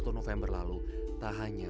ketipan ini sama ini kan susah ya